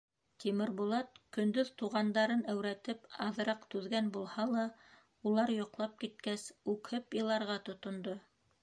Тимербулат көндөҙ туғандарын әүрәтеп аҙыраҡ түҙгән булһа ла, улар йоҡлап киткәс, үкһеп иларға тотондо.